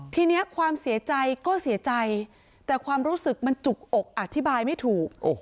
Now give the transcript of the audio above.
ทีนี้ความเสียใจก็เสียใจแต่ความรู้สึกมันจุกอกอธิบายไม่ถูก